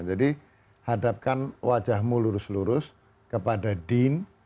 jadi hadapkan wajahmu lurus lurus kepada din